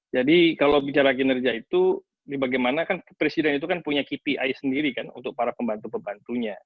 jadi kalau bicara kinerja itu bagaimana kan presiden itu kan punya kpi sendiri kan untuk para pembantu pembantunya